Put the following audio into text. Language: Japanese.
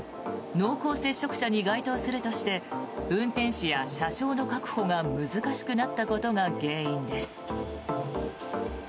濃厚接触者に該当するとして運転士や車掌の確保が難しくなったことが原因です。